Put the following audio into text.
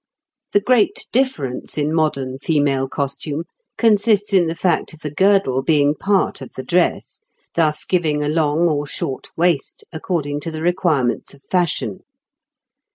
The great difference in modern female costume consists in the fact of the girdle being part of the dress, thus giving a long or short waist, according to the requirements of fashion.